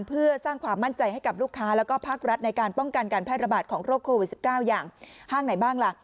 เพื่อสร้างความมั่นใจให้กับลูกค้าแล้วก็ภาครัฐในการป้องกันการแพร่ระบาดของโรคโควิด๑๙อย่างห้างไหนบ้างล่ะ